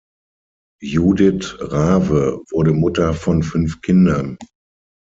Judith Rave wurde Mutter von fünf Kindern.